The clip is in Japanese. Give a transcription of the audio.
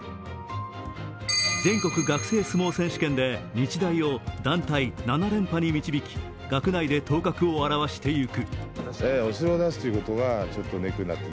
全国学生相撲選手権で日大を７連覇に導き、学内で頭角をあらわしていく。